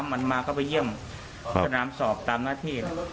มันมาก็ไปเยี่ยมสนามสอบตามหน้าที่